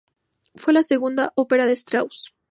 Fue la segunda ópera de Strauss.